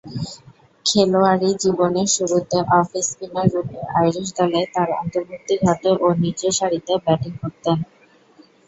খেলোয়াড়ী জীবনের শুরুতে অফ-স্পিনাররূপে আইরিশ দলে তার অন্তর্ভূক্তি ঘটে ও নিচের সারিতে ব্যাটিং করতেন।